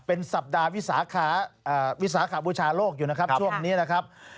เป็นสัปดาห์วิสาวิสาขบูชาโลกอยู่นะครับช่วงนี้นะครับ